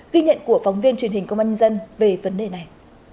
ghi nhận của phóng viên truyền hình công an nhân dân về vấn đề này